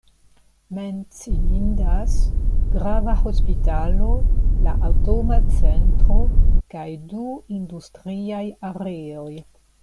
Menciindas grava hospitalo, la atoma centro kaj du industriaj areoj.